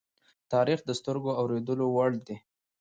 تاریخ د سترگو د اوریدو وړ دی.